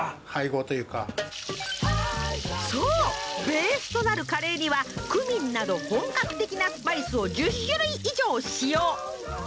そうベースとなるカレーにはクミンなど本格的なスパイスを１０種類以上使用。